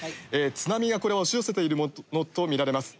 津波がこれは押し寄せているものと見られます。